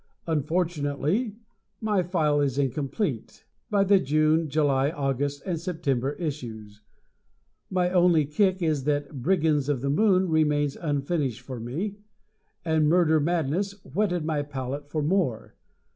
Unfortunately, my file is incomplete by the June, July, August and September issues. My only kick is that "Brigands of the Moon" remains unfinished for me; and "Murder Madness" whetted my palate for more.